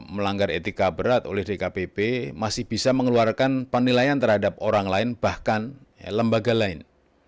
melanggar etika berat oleh dkpp masih bisa mengeluarkan penilaian terhadap orang lain bahkan lembaga lain